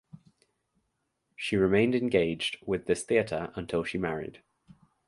She remained engaged with this theater until she married.